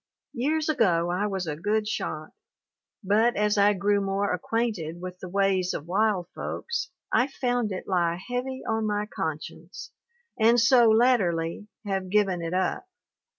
Years' ago I was a good shot, but as I grew more acquainted with the ways of wild folks I found it He heavy on my conscience and so latterly have given it up.